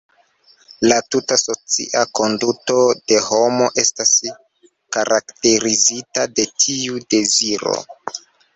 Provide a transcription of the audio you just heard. La tuta socia konduto de homo estas karakterizita de tiu deziro.